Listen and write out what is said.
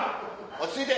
落ち着いて！